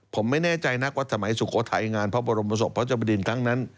ผมไม่แน่ใจนักว่าสมัยสุโขทัยงานพระบรมศพพระจบดินครั้งนั้น